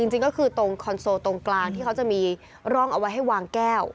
จริงก็คือตรงคอนโซลตรงกลางที่เขาจะมีร่องเอาไว้ให้วางแก้ว